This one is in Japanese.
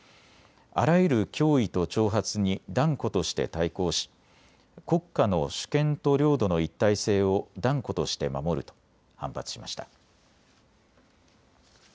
あらゆる脅威と挑発に断固として対抗し国家の主権と領土の一体性を断固として守ると反発しました。